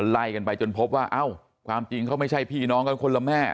ไล่กันไปจนพบว่าเอ้าความจริงเขาไม่ใช่พี่น้องกันคนละแม่